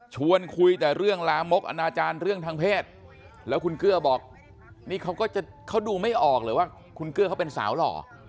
ชวนคุยแต่เรื่องลามกอนาจารย์เรื่องทางเพศแล้วคุณเกลือบอกนี่เขาก็จะเขาดูไม่ออกเลยว่าคุณเกลือเขาเป็นสาวหล่อ